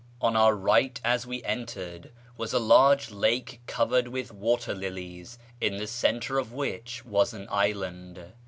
On our right, as we entered, was a large lake covered with water lilies, in the centre of which was an island.